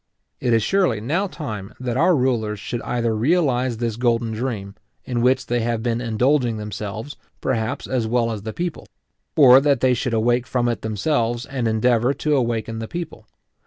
It is surely now time that our rulers should either realize this golden dream, in which they have been indulging themselves, perhaps, as well as the people; or that they should awake from it themselves, and endeavour to awaken the people.